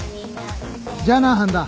じゃあな半田。